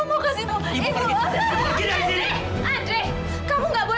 aku bilang enggak wi